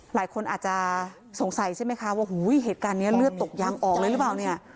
หลายคนอาจจะสงสัยใช่ไหมคะว่าเหตุการณ์นี้เลือดตกยางออกเลยหรือเปล่าเนี่ย